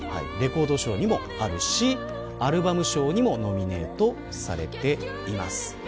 レコード賞にもあるしアルバム賞にもノミネートされています。